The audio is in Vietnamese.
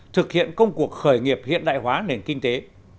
thực hiện công cuộc khởi nghiệp hiện đại hóa nền kinh tế